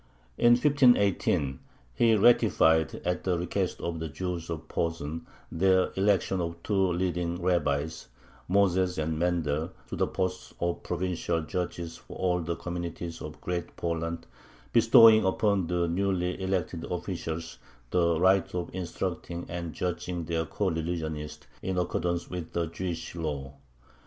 In 1518 he ratified, at the request of the Jews of Posen, their election of two leading rabbis, Moses and Mendel, to the posts of provincial judges for all the communities of Great Poland, bestowing upon the newly elected officials the right of instructing and judging their coreligionists in accordance with the Jewish law.